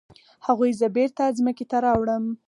هغوی زه بیرته ځمکې ته راوړم.